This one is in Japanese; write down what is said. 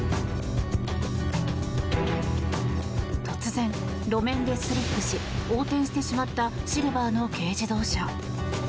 突然、路面でスリップし横転してしまったシルバーの軽自動車。